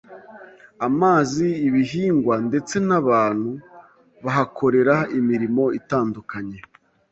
amazi, ibihingwa ndetse n'abantu bahakorera imirimo itandukanye.